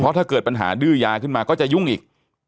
ถ้าเกิดปัญหาดื้อยาขึ้นมาก็จะยุ่งอีก